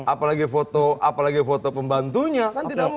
apalagi foto apalagi foto pembantunya kan tidak mungkin